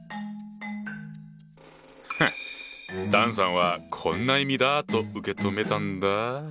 フッ段さんはこんな意味だと受け止めたんだ。